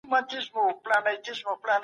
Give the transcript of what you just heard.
د بدلون نښي کومي دي؟